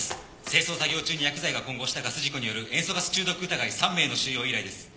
清掃作業中に薬剤が混合したガス事故による塩素ガス中毒疑い３名の収容依頼です。